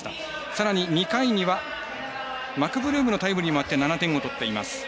さらに２回にはマクブルームのタイムリーもあり７点取っています。